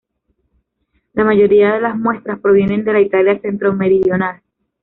La mayoría de las muestras provienen de la Italia centromeridional.